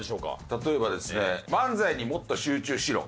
例えばですね漫才にもっと集中しろ。